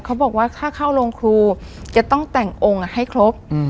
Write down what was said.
เขาบอกว่าถ้าเข้าโรงครูจะต้องแต่งองค์ให้ครบ